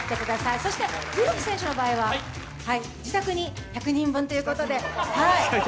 そしてウルフ選手の場合は自宅に１００人分ということで。